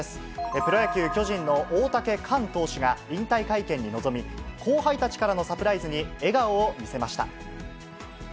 プロ野球・巨人の大竹寛投手が引退会見に臨み、後輩たちからのサプライズに笑顔を見せました。